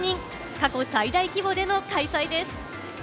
過去最大規模での開催です。